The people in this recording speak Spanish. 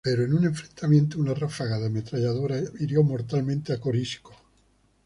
Pero, en un enfrentamiento, una ráfaga de ametralladora hirió mortalmente a Corisco.